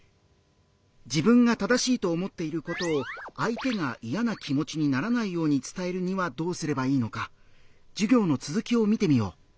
自分が正しいと思っていることを相手が嫌な気持ちにならないように伝えるにはどうすればいいのか授業の続きを見てみよう。